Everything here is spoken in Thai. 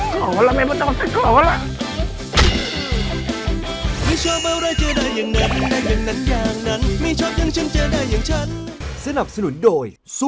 แกเคลอดไปกกที่หนูเลยหรอ